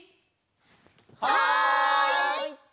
はい！